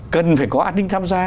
cần phải có an ninh tham gia